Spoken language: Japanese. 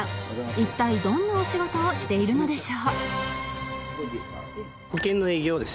一体どんなお仕事をしているのでしょう？